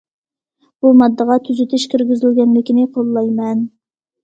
بۇ ماددىغا تۈزىتىش كىرگۈزۈلگەنلىكىنى قوللايمەن.